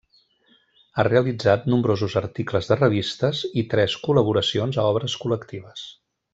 Ha realitzat nombrosos articles de revistes i tres col·laboracions a obres col·lectives.